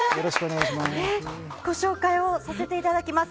ご紹介させていただきます。